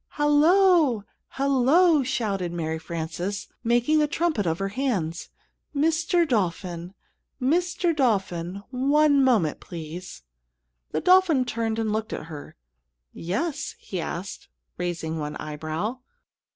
"Hallo! Hallo!" shouted Mary Frances, making a trumpet of her hands. "Mr. Dolphin, Mr. Dolphin, one moment, please!" The dolphin turned and looked at her. "Yes?" he asked, raising one eyebrow.